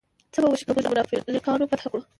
څه به وشي که موږ مونافالکانو فتح کړو؟